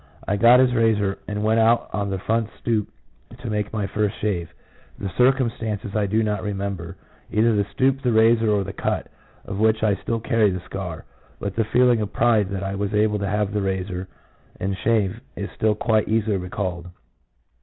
I got his razor and went out on the front stoop to take my first shave. The circumstances I do not remember — either the stoop, the razor, or the cut, of which I still carry the scar; but the feeling of pride that 1 was able to have the razor and shave is still quite easily recalled.